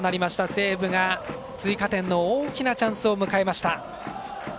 西武が追加点の大きなチャンスを迎えました。